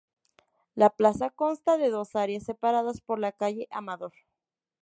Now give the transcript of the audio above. La plaza consta de dos áreas separadas por la calle Amador.